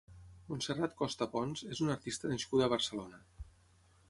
Montserrat Costa Pons és una artista nascuda a Barcelona.